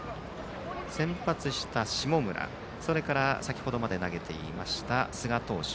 先発した下村それから先程まで投げていた寿賀投手。